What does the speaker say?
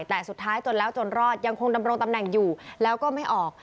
แต่สุดท้ายจนแล้วจนรอดยังคงดำรงตำแหน่งอยู่แล้วก็ไม่ออก